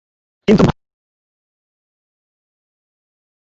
কিন্তু ভাই তাকে কলেজে ভর্তি করিয়ে জেলা শহরে থাকার ব্যবস্থা করেছেন।